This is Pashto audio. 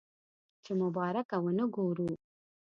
چې مبارکه ونه وګورو.